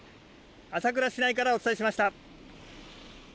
朝倉市内からお伝えしました。